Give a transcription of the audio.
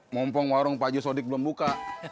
mompong warung ajo sodik belum buka